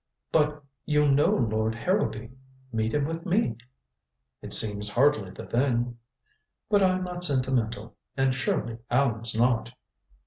"But you know Lord Harrowby. Meet him with me." "It seems hardly the thing " "But I'm not sentimental. And surely Allan's not."